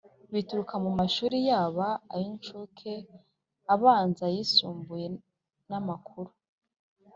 bituruka mu mashuri yaba ay’inshuke, abanza, ayisumbuye n’amakuru